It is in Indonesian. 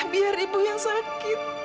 biar ibu yang sakit